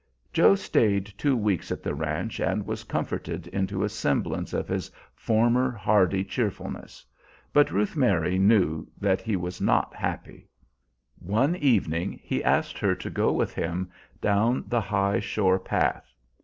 Joe stayed two weeks at the ranch, and was comforted into a semblance of his former hardy cheerfulness. But Ruth Mary knew that he was not happy. One evening he asked her to go with him down the high shore path.